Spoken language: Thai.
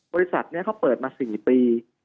บริษัทนี้เขาเปิดมา๔ปี